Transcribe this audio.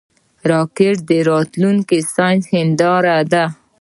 راکټ د راتلونکي ساینس هنداره ده